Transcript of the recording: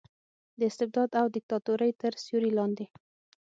د استبداد او دیکتاتورۍ تر سیورې لاندې